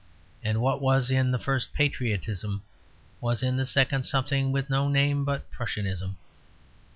And what was in the first patriotism was in the second something with no name but Prussianism.